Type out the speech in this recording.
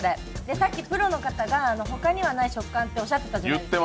さっき、プロの方が他にはない食感とおっしゃってたじゃないですか